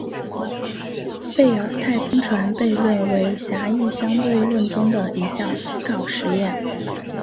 贝尔太空船悖论为狭义相对论中的一项思考实验。